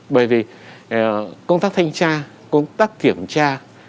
bởi vì công tác thanh tra công tác kiểm tra